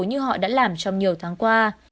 như họ đã làm trong nhiều tháng qua